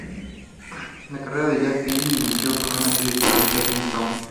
La carrera de Jack Kelly se inició con la serie televisiva Kings Row.